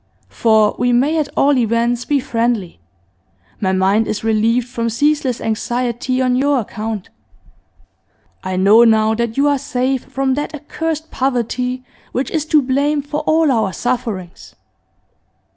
'For we may at all events be friendly. My mind is relieved from ceaseless anxiety on your account. I know now that you are safe from that accursed poverty which is to blame for all our sufferings.